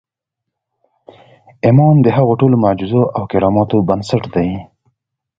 ايمان د هغو ټولو معجزو او کراماتو بنسټ دی.